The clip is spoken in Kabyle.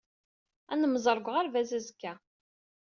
Ad nemmẓer deg uɣerbaz azekka.